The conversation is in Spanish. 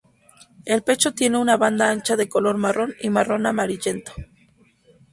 El pecho tiene una banda ancha de color marrón y marrón-amarillento.